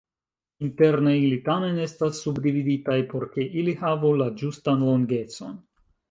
Interne ili tamen estas subdividitaj, por ke ili havu la ĝustan longecon.